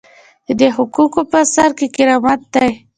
د دې حقوقو په سر کې کرامت دی.